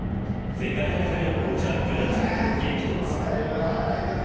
［前回大会の王者ブラジルと激突］